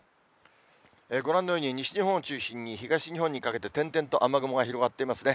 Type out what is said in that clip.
ご覧のように西日本を中心に、東日本にかけて、点々と雨雲が広がっていますね。